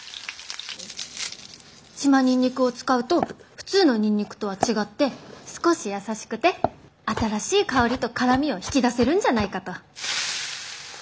島ニンニクを使うと普通のニンニクとは違って少し優しくて新しい香りと辛みを引き出せるんじゃないかと。